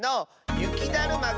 ゆきだるまが。